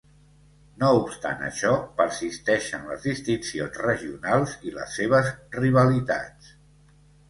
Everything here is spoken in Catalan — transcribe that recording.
No obstant això, persisteixen les distincions regionals i les seves rivalitats.